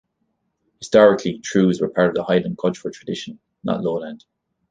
Historically trews were part of the Highland cultural tradition, not Lowland.